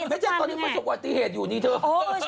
ไม่ใช่ตอนนี้ประสบวัติเหตุอยู่นี่เถอะ